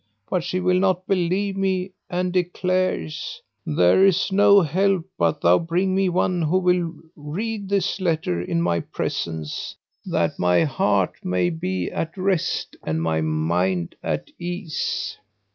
But she will not believe me and declares, 'There is no help but thou bring me one who will read this letter in my presence, that my heart may be at rest and my mind at ease.'